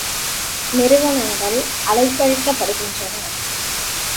நிறுவனங்கள் அலைக்கழிக்கப் படுகின்றன.